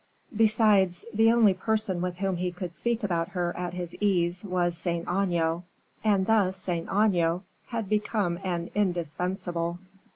Besides, the only person with whom he could speak about her at his ease was Saint Aignan, and thus Saint Aignan had become an indispensable.